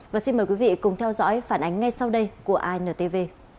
và xin mời quý vị cùng theo dõi phản ánh ngay sau đây của intv